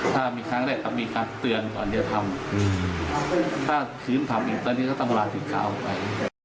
ถ้ามีครั้งแรกก็มีการเตือนก่อนจะทำถ้าชื้นทำอีกตอนนี้ก็ต้องลาศิกขาออกไป